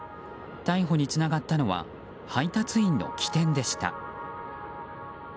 逮捕につながったのは配達員の機転でした。